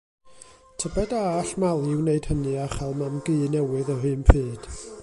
Tybed a all Mali wneud hynny a chael mam-gu newydd yr un pryd?